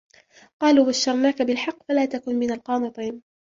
قالوا بشرناك بالحق فلا تكن من القانطين